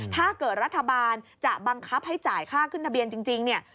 ถ้าเกิดรัฐบาลจะบังคับให้จ่ายค่าขึ้นทะเบียนจริงเนี่ย